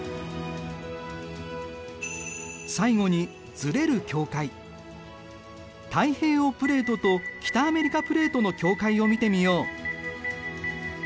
最後に太平洋プレートと北アメリカプレートの境界を見てみよう。